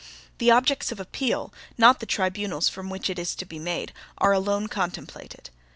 The objects of appeal, not the tribunals from which it is to be made, are alone contemplated.